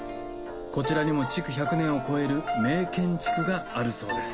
こちらにも築１００年を超える名建築があるそうです